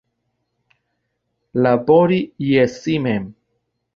Labori je si mem.